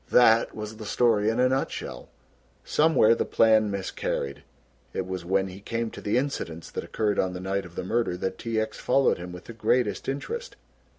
That was the story in a nutshell. Somewhere the plan miscarried. It was when he came to the incidents that occurred on the night of the murder that T. X. followed him with the greatest interest.